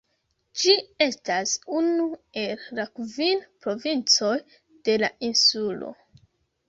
Ĝi estas unu el la kvin provincoj de la insulo.